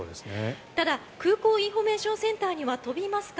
ただ、空港インフォメーションセンターには飛びますか？